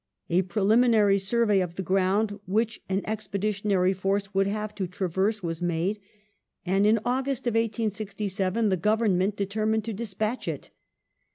A preliminary survey of the ground which an expeditionary force would have to traverse was made, and in August, 1867, the Government determined to despatch it.